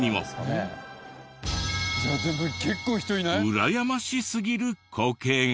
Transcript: うらやましすぎる光景が。